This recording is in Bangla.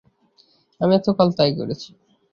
আমিও এতকাল তাই করেছি।